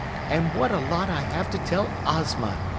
"And what a lot I have to tell Ozma!